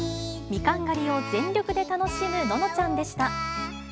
みかん狩りを全力で楽しむののちゃんでした。